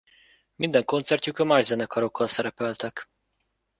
Minden koncertjükön más zenekarokkal szerepeltek.